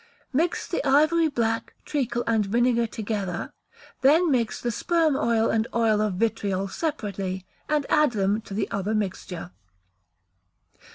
Mix the ivory black, treacle, and vinegar together, then mix the sperm oil and oil of vitriol separately, and add them to the other mixture.